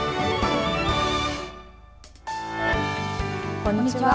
こんにちは。